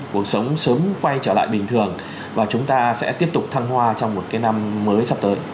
cuộc sống sớm quay trở lại bình thường và chúng ta sẽ tiếp tục thăng hoa trong một cái năm mới sắp tới